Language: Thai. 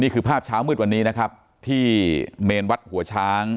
ภาพเช้ามืดวันนี้นะครับที่เมนวัดหัวช้าง